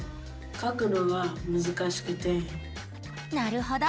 なるほど。